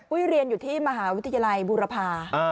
พุทธิ์เรียนอยู่ที่มหาวิทยาลัยบุรพา